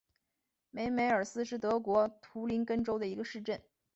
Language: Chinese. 梅梅尔斯是德国图林根州的一个市镇。